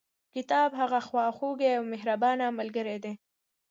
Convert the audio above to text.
کتاب هغه خواخوږي او مهربانه ملګري دي.